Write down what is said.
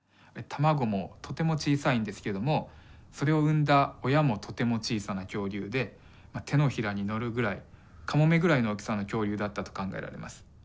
卵もとても小さいんですけどもそれを産んだ親もとても小さな恐竜で手のひらに乗るぐらいカモメぐらいの大きさの恐竜だったと考えられます。